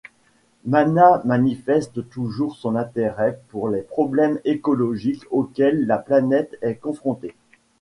Maná manifeste toujours son intérêt pour les problèmes écologiques auxquels la planète est confrontée.